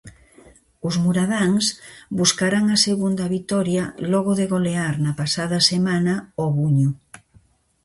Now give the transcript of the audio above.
Os muradáns buscarán a segunda vitoria logo de golear na pasada semana ao Buño.